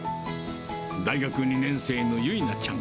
大学２年生の由奈ちゃん。